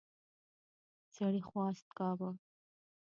سړي خواست کاوه.